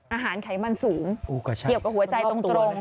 ไขมันสูงเกี่ยวกับหัวใจตรง